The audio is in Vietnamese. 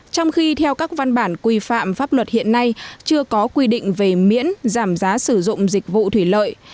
trong khi theo các văn bản quy phạm pháp luật hiện nay chưa có quy định về miễn giảm giá sử dụng dịch vụ thủy lợi